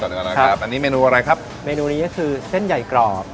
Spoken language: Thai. อันนี้นะครับอันนี้เมนูอะไรครับเมนูนี้ก็คือเส้นใหญ่กรอบ